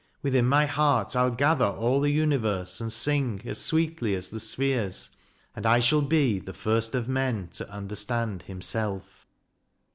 Within my heart I'll gather all the universe, and sing . As sweetly as the spheres ; and I shall be The first of men to understand himself.